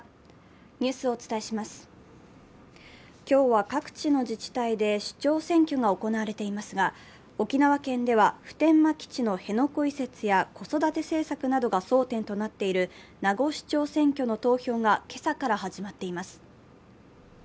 今日は各地の自治体で首長選挙が行われていますが沖縄県では普天間基地の辺野古移設や子育て政策などが争点となっている名護市長選挙の投票が今朝から始まっています。